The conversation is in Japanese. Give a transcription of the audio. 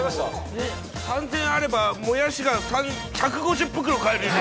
３０００円あればもやしが１５０袋買えるね。